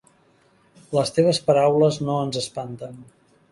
Les teves paraules no ens espanten.